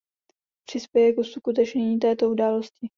Přispějme k uskutečnění této události.